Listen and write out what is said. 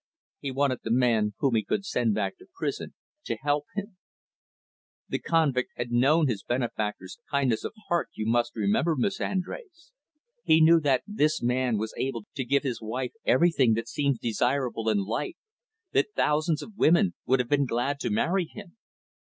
He wanted the man whom he could send back to prison to help him. "The convict had known his benefactor's kindness of heart, you must remember, Miss Andrés. He knew that this man was able to give his wife everything that seems desirable in life that thousands of women would have been glad to marry him.